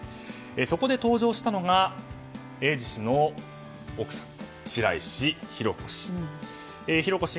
そこで登場したのが英司氏の奥さん白石浩子氏。